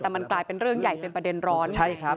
แต่มันกลายเป็นเรื่องใหญ่เป็นประเด็นร้อนใช่ครับ